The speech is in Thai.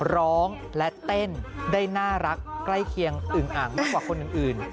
ร้องและเต้นได้น่ารักใกล้เคียงอึงอ่างมากกว่าคนอื่น